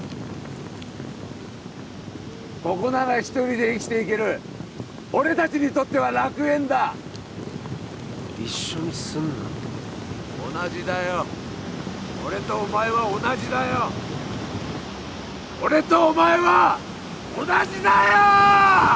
ここならひとりで生きていける俺たちにとっては楽園だ一緒にすんな同じだよ俺とお前は同じだよ俺とお前は同じだよ！